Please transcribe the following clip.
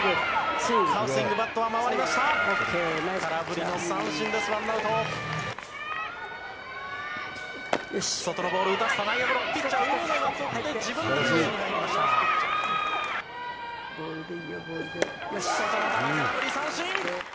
空振り三振。